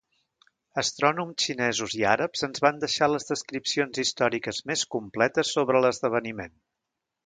Astrònoms xinesos i àrabs ens van deixar les descripcions històriques més completes sobre l'esdeveniment.